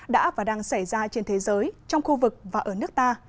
đã và đang xảy ra trên thế giới trong khu vực và ở nước ta